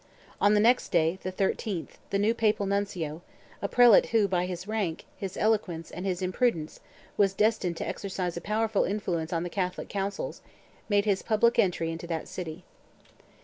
On the next day, the 13th, the new Papal Nuncio, a prelate who, by his rank, his eloquence, and his imprudence, was destined to exercise a powerful influence on the Catholic councils, made his public entry into that city.